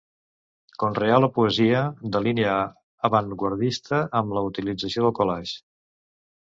Conreà la poesia, de línia avantguardista, amb la utilització del collage.